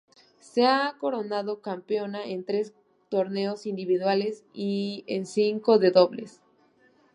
Se ha coronado campeona en tres torneos individuales y en cinco de dobles.